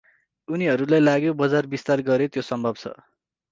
उनीहरूलाई लाग्यो बजार विस्तार गरे त्यो सम्भव छ ।